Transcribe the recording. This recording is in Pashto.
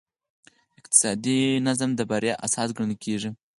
اقتصادي نظم د بریا اساس ګڼل کېږي.